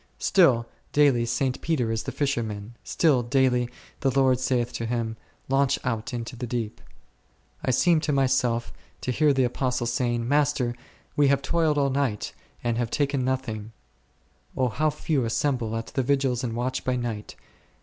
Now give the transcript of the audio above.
Still daily St. Peter is the fisherman ; still daily the Lord saith to him, Launch out into the deep, I seem to myself to hear the Apostles saying, Master, we have toiled all the night, and have taken nothing, O how few assemble at the Vigils and watch by night